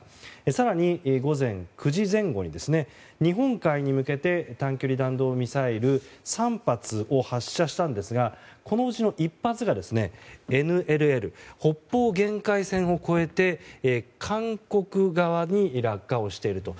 更に、午前９時前後に日本海に向けて短距離弾道ミサイル３発を発射したんですがこのうちの１発がＮＬＬ・北方限界線を越えて韓国側に落下していると。